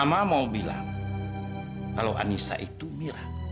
mama mau bilang kalau anissa itu mirah